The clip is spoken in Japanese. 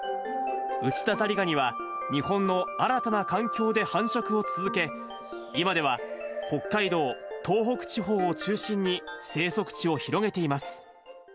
ウチダザリガニは、日本の新たな環境で繁殖を続け、今では北海道、東北地方を中心に生息地を広げています。